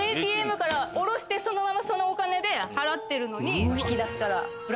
ＡＴＭから下ろしてそのままそのお金で払ってるのに。